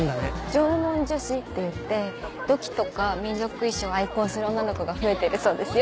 「縄文女子」っていって土器とか民族衣装を愛好する女の子が増えてるそうですよ。